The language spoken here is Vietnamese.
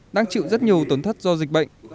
đang chịu rất nhiều tổn thất do dịch bệnh